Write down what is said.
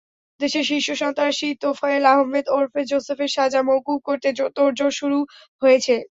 দেশের শীর্ষ সন্ত্রাসী তোফায়েল আহমেদ ওরফে জোসেফের সাজা মওকুফ করতে তোড়জোড় শুরু হয়েছে।